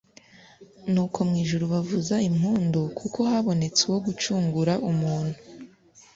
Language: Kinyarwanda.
Nuko mwijuru bavuza impundu kuko habonetse uwo gucungura umuntu